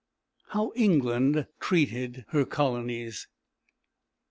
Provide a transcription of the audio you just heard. HOW ENGLAND TREATED HER COLONIES.